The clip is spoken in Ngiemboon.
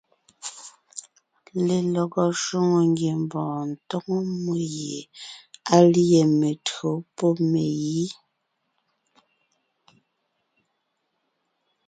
Lelɔgɔ shwòŋo ngiembɔɔn tóŋo mmó gie á lîe mentÿǒ pɔ́ megǐ.